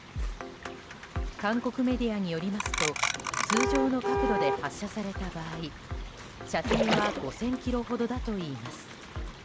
韓国メディアによりますと通常の角度で発射された場合射程は５０００ｋｍほどだといいます。